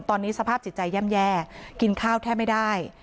ตอนนี้สภาพจิตใจย่ำแย่กินข้าวแทบไม่ได้